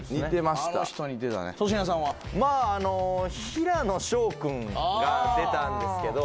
平野紫耀君が出たんですけど。